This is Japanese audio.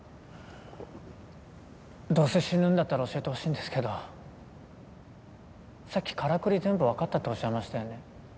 どうせ死ぬんだったら教えてほしいんですけどさっきからくり全部わかったっておっしゃいましたよね。